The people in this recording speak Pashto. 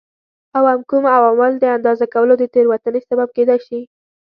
اووم: کوم عوامل د اندازه کولو د تېروتنې سبب کېدای شي؟